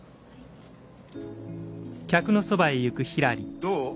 どう？